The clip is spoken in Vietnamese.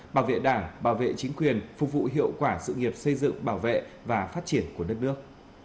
bảo vệ đảng bảo vệ chính quyền phục vụ hiệu quả sự nghiệp xây dựng bảo vệ và phát triển của đất nước